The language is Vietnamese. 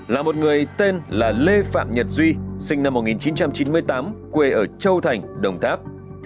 là một người tên là lê phạm nhật duy sinh năm một nghìn chín trăm chín mươi tám quê ở châu thành đồng tháp